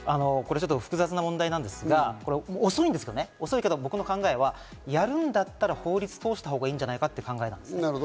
複雑な問題なんですが、遅いんですが、僕の考えとしてはやるんだったら法律を通したほうがいいんじゃないかという考えです。